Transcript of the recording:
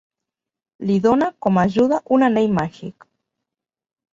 Li dóna com a ajuda un anell màgic.